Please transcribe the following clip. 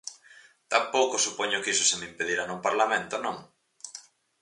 Tampouco supoño que iso se me impedirá no Parlamento, ¿non?